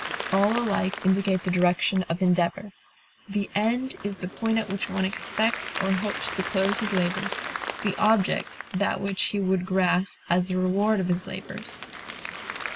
All alike indicate the direction of endeavor. The end is the point at which one expects or hopes to close his labors; the object, that which he would grasp as the reward of his labors.